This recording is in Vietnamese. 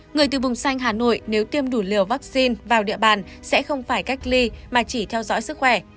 người từ vùng xanh hà nội nếu tiêm đủ liều vaccine vào địa bàn sẽ không phải cách ly mà chỉ theo dõi sức khỏe